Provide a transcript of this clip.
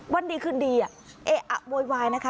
วันดีขึ้นดีอ่ะเอ๊ะอ่ะโวยวายนะคะ